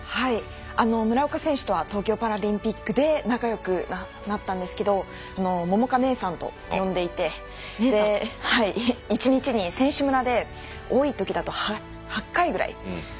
村岡選手とは東京パラリンピックで仲良くなったんですけれど桃香姉さんと呼んでいて１日に選手村で多いときだと８回ぐらい。